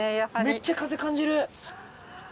めっちゃ風感じる！